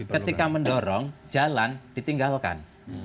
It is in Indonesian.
ketika mendorong jalan ditinggalkan